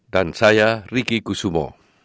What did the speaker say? dan saya riki kusumo